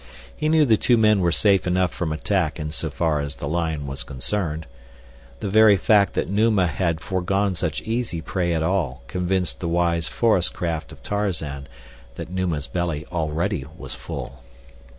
He knew the two men were safe enough from attack in so far as the lion was concerned. The very fact that Numa had foregone such easy prey at all convinced the wise forest craft of Tarzan that Numa's belly already was full.